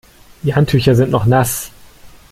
Die Handtücher sind noch nass.